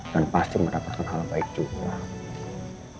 pasti mendapatkan hal baik juga